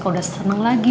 kalo udah seneng lagi